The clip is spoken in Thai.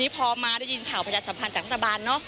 พอมาได้ยินข่าวประชาสัมพันธ์จากรัฐบาลเนอะ